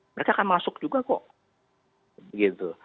mereka akan masuk juga kok begitu